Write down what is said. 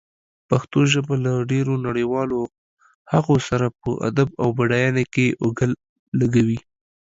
پښتو ژبه له ډېرو نړيوالو هغو سره په ادب او بډاینه کې اوږه لږوي.